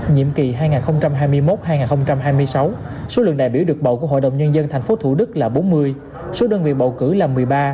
nhiệm kỳ hai nghìn hai mươi một hai nghìn hai mươi sáu số lượng đại biểu được bầu của hội đồng nhân dân tp thủ đức là bốn mươi số đơn vị bầu cử là một mươi ba một